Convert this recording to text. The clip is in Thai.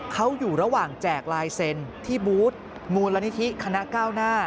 เขาอยู่ระหว่างแจกลายเซ็นต์ที่บูธมูลนิธิคณะก้าวหน้า